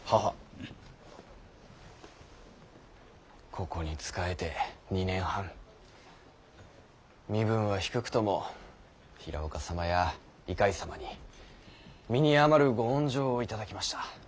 ここに仕えて２年半身分は低くとも平岡様や猪飼様に身に余るご温情を頂きました。